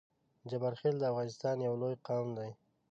جبارخیل د افغانستان یو لوی قام دی